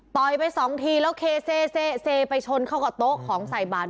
ไปสองทีแล้วเคเซไปชนเข้ากับโต๊ะของใส่บาท